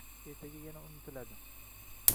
ertaga yana unutiladi.